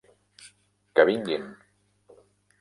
Que vinguin.